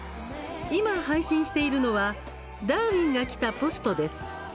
今、配信しているのは「ダーウィンが来た！」ポストです。